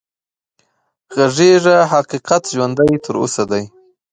غږېږه حقيقت ژوندی تر اوسه دی